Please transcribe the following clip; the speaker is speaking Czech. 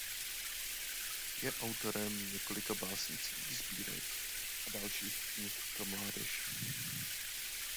Je autorem několika básnických sbírek a dalších knih pro mládež.